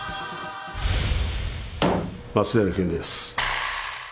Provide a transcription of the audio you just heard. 松平健です。